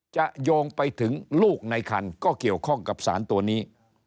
โยงไปถึงลูกในคันก็เกี่ยวข้องกับสารตัวนี้